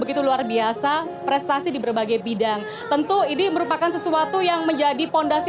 begitu luar biasa prestasi di berbagai bidang tentu ini merupakan sesuatu yang menjadi fondasi